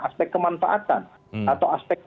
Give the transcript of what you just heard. aspek kemanfaatan atau aspek